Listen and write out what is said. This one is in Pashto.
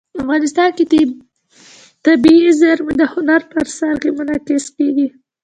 افغانستان کې طبیعي زیرمې د هنر په اثار کې منعکس کېږي.